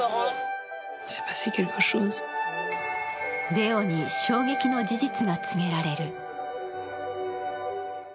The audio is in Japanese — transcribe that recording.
レオに衝撃の事実が告げられる。